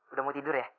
udah mau tidur ya